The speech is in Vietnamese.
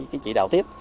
chỉ đạo tiếp